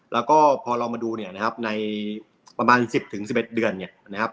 แล้วก็พอเรามาดูเนี้ยนะครับในประมาณสิบถึงสิบเอ็ดเดือนเนี้ยนะครับ